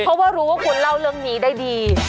เพราะว่ารู้ว่าคุณเล่าเรื่องนี้ได้ดี